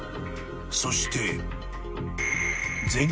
［そして］